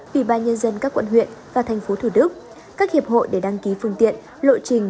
ủy ban nhân dân các quận huyện và thành phố thủ đức các hiệp hội để đăng ký phương tiện lộ trình